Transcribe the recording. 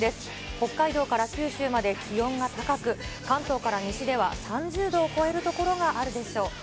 北海道から九州まで気温が高く、関東から西では３０度を超える所があるでしょう。